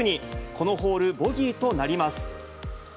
このホール、ボギーとなります。